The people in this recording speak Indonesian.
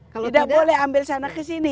kalau tidak boleh ambil sana kesini